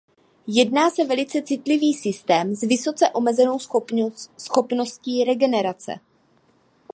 Jedná se velice citlivý systém s vysoce omezenou schopností regenerace.